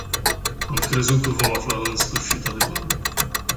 Am crezut că vom afla în sfârșit adevărul.